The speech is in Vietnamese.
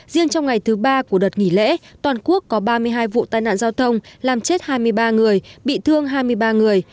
riêng trong ngày thứ ba của đợt nghỉ lễ toàn quốc có ba mươi hai vụ tai nạn giao thông làm chết hai mươi ba người bị thương hai mươi ba người